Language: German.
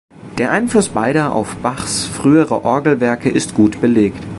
Der Einfluss beider auf Bachs frühe Orgelwerke ist gut belegt.